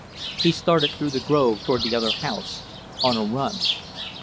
He started through the grove, toward the other house, on a run.